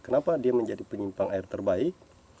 kenapa dia menjadi penyimpang air terbaik